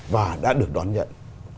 và đã được đón nhận